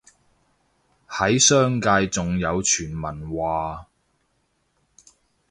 喺商界仲有傳聞話